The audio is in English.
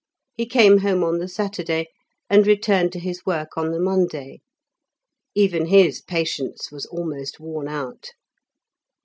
He came home on the Saturday and returned to his work on the Monday. Even his patience was almost worn out.